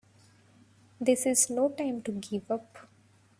This is no time to give up!